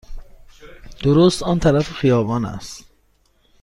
درست آن طرف خیابان است.